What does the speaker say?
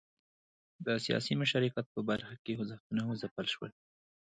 د سیاسي مشارکت په برخه کې خوځښتونه وځپل شول.